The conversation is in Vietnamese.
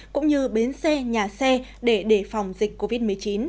cũng như bến xe nhà xe để đề phòng dịch covid một mươi chín